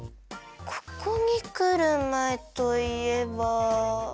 ここにくるまえといえば。